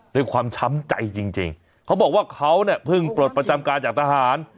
ด้วยความช้ำใจจริงเขาบอกว่าเขาเนี่ยเพิ่งปลดประจำการจากทหาร